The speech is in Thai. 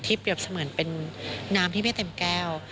เปรียบเสมือนเป็นน้ำที่ไม่เต็มแก้ว